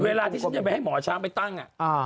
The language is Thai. เวลาที่ฉันจะไปให้หมอช้างไปตั้ง